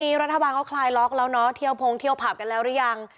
รัฐบาลเขาคลายล็อกแล้วเนาะเที่ยวพงเที่ยวผับกันแล้วหรือยัง